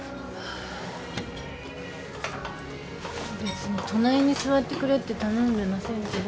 別に隣に座ってくれって頼んでませんけど。